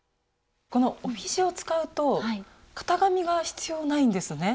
この帯地を使うと型紙が必要ないんですね。